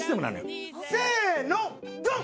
せのドン。